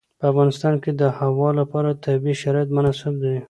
په افغانستان کې د هوا لپاره طبیعي شرایط مناسب دي.